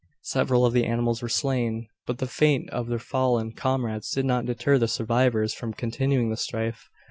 Several of the animals were slain. But the fate of their fallen comrades did not deter the survivors from continuing the strife.